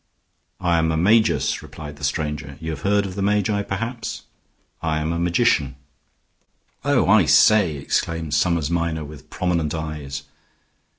"I am a magus," replied the stranger. "You have heard of the magi, perhaps? I am a magician." "Oh, I say!" exclaimed Summers Minor, with prominent eyes.